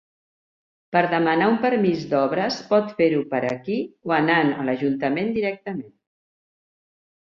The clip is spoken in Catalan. Per demanar un permís d'obres pot fer-ho per aquí o anant a l'ajuntament directament.